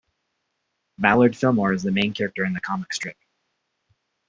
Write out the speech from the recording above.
Mallard Fillmore is the main character in the comic strip.